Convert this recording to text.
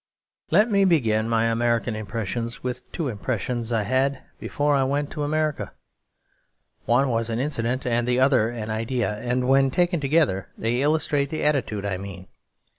Let me begin my American impressions with two impressions I had before I went to America. One was an incident and the other an idea; and when taken together they illustrate the attitude I mean.